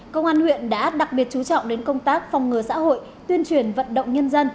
công an huyện đã đặc biệt chú trọng đến công tác phòng ngừa xã hội tuyên truyền vận động nhân dân